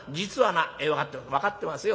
「分かってますよ